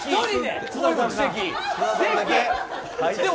津田さんだけ？